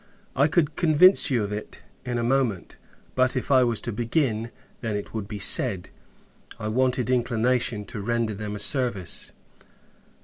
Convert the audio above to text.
I could convince you of it, in a moment; but, if I was to begin, then it would be said, I wanted inclination to render them a service.